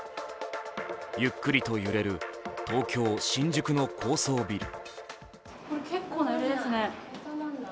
ゆっくりと揺れる東京・新宿の高層ビル。